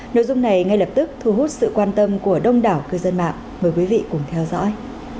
nội dung này ngay lập tức thu hút sự quan tâm của đông đảo cư dân mạng mời quý vị cùng theo dõi